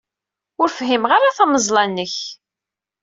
Ur fhimeɣ ara tameẓla-nnek.